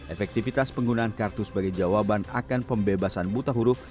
efektivitas penggunaan kartu sebagai jawaban akan pembebasan buta huruf